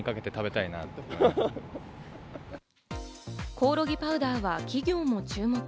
コオロギパウダーは企業も注目。